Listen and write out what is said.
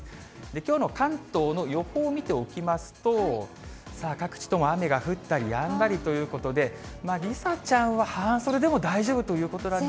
きょうの関東の予報を見ておきますと、さあ、各地とも雨が降ったりやんだりということで、梨紗ちゃんは半袖で全然大丈夫です。